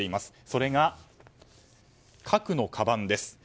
それが、核のかばんです。